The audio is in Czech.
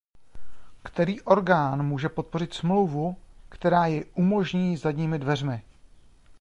Který orgán může podpořit Smlouvu, která jej umožní zadními dveřmi?